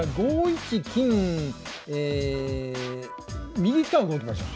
右側動きましょう。